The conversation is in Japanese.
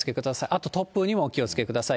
あと突風にもお気をつけください。